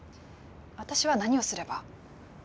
私は何をすれば？